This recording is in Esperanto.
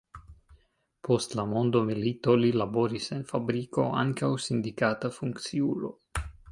Post la mondomilito li laboris en fabriko, ankaŭ sindikata funkciulo.